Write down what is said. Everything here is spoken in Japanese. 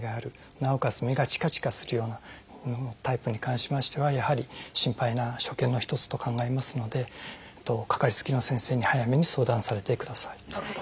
なおかつ目がチカチカするようなタイプに関しましてはやはり心配な所見の一つと考えますのでかかりつけの先生に早めに相談されてください。